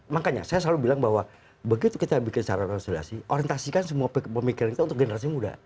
makanya saya selalu bilang bahwa begitu kita bikin cara rekonsiliasi orientasikan semua pemikiran kita untuk generasi muda